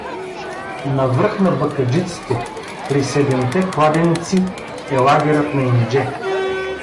Навръх на Бакъджиците, при Седемте кладенци, е лагерът на Индже.